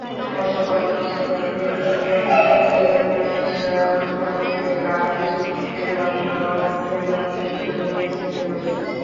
গতকাল প্রতিপক্ষের দুজন ডিফেন্ডারকে দারুণভাবে কাটিয়ে পেনাল্টি বক্সের মধ্যে ঢুকে পড়েছিলেন মেসি।